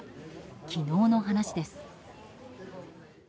昨日の話です。